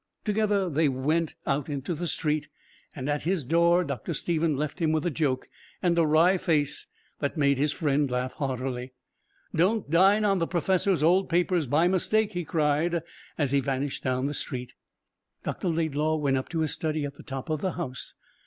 Together they went out into the street, and at his door Dr. Stephen left him with a joke and a wry face that made his friend laugh heartily. "Don't dine on the professor's old papers by mistake," he cried, as he vanished down the street. Dr. Laidlaw went up to his study at the top of the house.